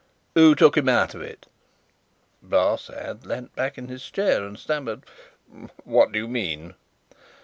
"Who took him out of it?" Barsad leaned back in his chair, and stammered, "What do you mean?"